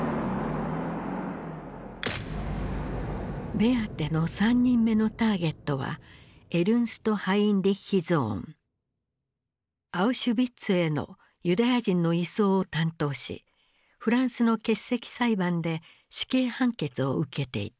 ベアテの３人目のターゲットはアウシュビッツへのユダヤ人の移送を担当しフランスの欠席裁判で死刑判決を受けていた。